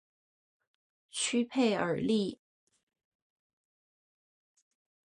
屈佩尔利。